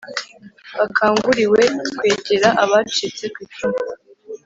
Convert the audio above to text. bakanguriwe kwegera abacitse ku icumu